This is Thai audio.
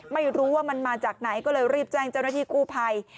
ไม่รู้ว่ามันมาจากไหนก็เลยรีบแจ้งเจ้าหน้าที่กู้ภัย